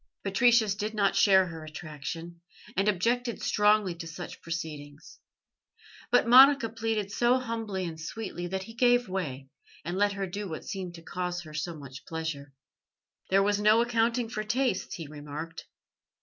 Patricius did not share her attraction, and objected strongly to such proceedings; but Monica pleaded so humbly and sweetly that he gave way, and let her do what seemed to cause her so much pleasure. "There was no accounting for tastes," he remarked.